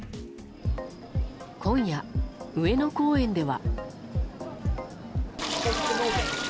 今夜、上野公園では。